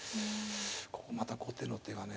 ここまた後手の手がね